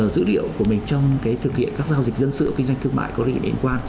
giữ điệu của mình trong thực hiện các giao dịch dân sự kinh doanh thương mại có định quan